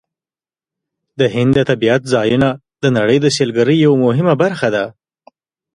د هند د طبیعت ځایونه د نړۍ د سیلګرۍ یوه مهمه برخه ده.